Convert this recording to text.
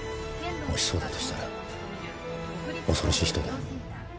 もしそうだとしたら恐ろしい人だ。